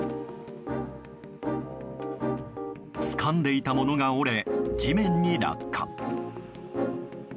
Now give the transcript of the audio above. つかんでいたものが折れ地面に落下。